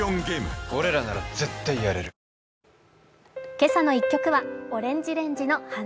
「けさの１曲」はＯＲＡＮＧＥＲＡＮＧＥの「花」。